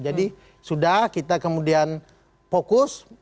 jadi sudah kita kemudian fokus